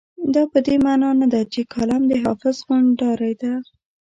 دا په دې مانا نه ده چې کالم د حافظ غونډارۍ ده.